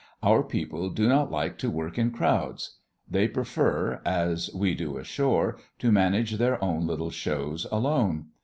Our people do not like to work in crowds. They prefer, as we do ashore, to manage their own little shows alone.